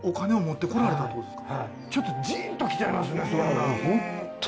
ちょっとじんときちゃいますね